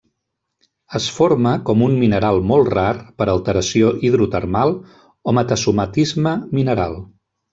Es forma com un mineral molt rar per alteració hidrotermal o metasomatisme mineral.